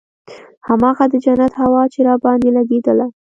هماغه د جنت هوا چې راباندې لګېدله.